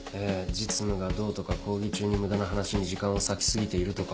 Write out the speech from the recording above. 実務がどうとか講義中に無駄な話に時間を割き過ぎているとか。